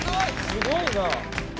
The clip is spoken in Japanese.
すごいな。